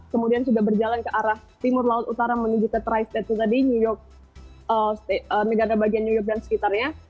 kemudian sudah berjalan ke arah timur laut utara menuju ke tri state negara bagian new york dan sekitarnya